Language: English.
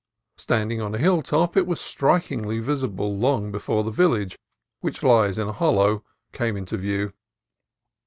Standing on a hill top it was strikingly visible long before the village, which lies in a hollow, came in view.